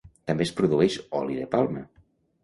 També es produeix oli de palma.